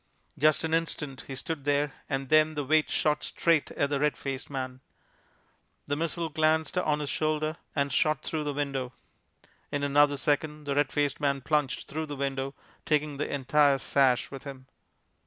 Just an instant he stood there, and then the weight shot straight at the red faced man. The missile glanced on his shoulder and shot through the window. In another second the red faced man plunged through the window, taking the entire sash with him.